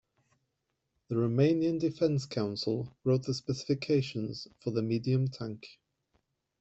The Romanian Defense Council wrote the specifications for the medium tank.